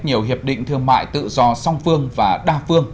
nhiều hiệp định thương mại tự do song phương và đa phương